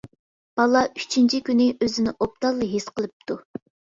بالا ئۈچىنچى كۈنى ئۆزىنى ئوبدانلا ھېس قىلىپتۇ.